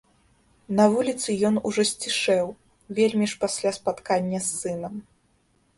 На вуліцы ён ужо сцішэў, вельмі ж пасля спаткання з сынам.